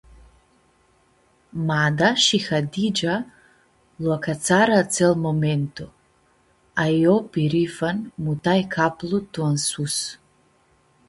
Mada shi Hadigia lu-acãtsarã atsel momentu, a io pirifan mutai caplu tu ãnsus.